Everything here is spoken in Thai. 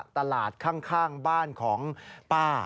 ตลาดข้างบ้านของป้า